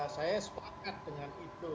saya sepakat dengan itu